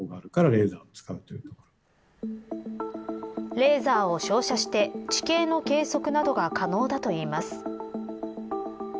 レーザーを照射して地形の計測などが可能だといいます。